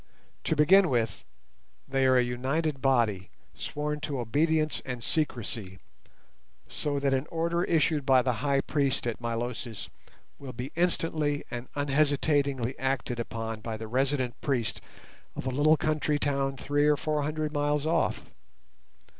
To begin with, they are a united body sworn to obedience and secrecy, so that an order issued by the High Priest at Milosis will be instantly and unhesitatingly acted upon by the resident priest of a little country town three or four hundred miles off.